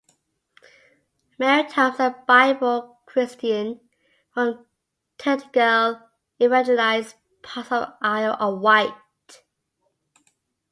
Mary Toms, a Bible Christian from Tintagel, evangelised parts of the Isle of Wight.